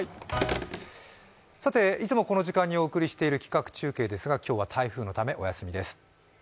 いつもこの時間にお送りしている企画中継ですが今日は台風のためお休みです。